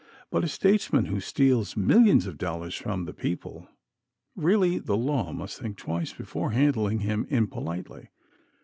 But a "statesman" who steals millions of dollars from the people really the law must think twice before handling him impolitely!